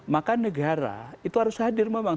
maka negara itu harus hadir memang